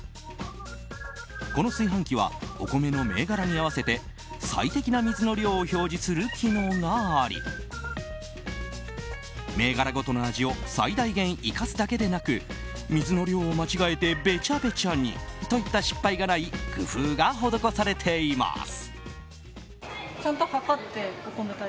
この炊飯器はお米の銘柄に合わせて最適な水の量を表示する機能があり銘柄ごとの味を最大限生かすだけでなく水の量を間違えてべちゃべちゃにといった失敗がない工夫が施されています。